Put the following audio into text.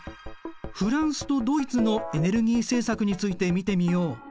フランスとドイツのエネルギー政策について見てみよう。